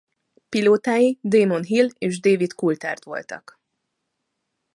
Pilótái Damon Hill és David Coulthard voltak.